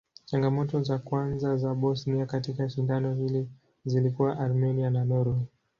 Changamoto za kwanza za Bosnia katika shindano hili zilikuwa Armenia na Norway.